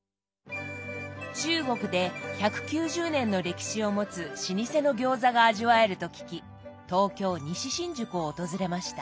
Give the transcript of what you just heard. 中国で１９０年の歴史を持つ老舗の餃子が味わえると聞き東京・西新宿を訪れました。